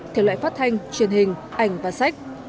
thể loại phát thanh truyền hình ảnh và sách